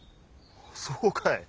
そうかい。